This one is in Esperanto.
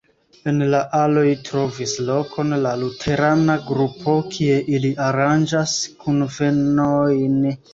En la aloj trovis lokon la luterana grupo, kie ili aranĝas kunvenojn.